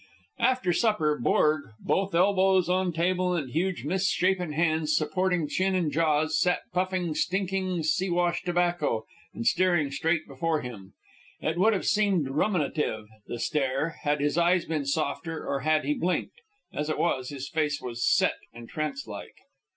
After supper, Borg, both elbows on table and huge misshapen hands supporting chin and jaws, sat puffing stinking Siwash tobacco and staring straight before him. It would have seemed ruminative, the stare, had his eyes been softer or had he blinked; as it was, his face was set and trance like.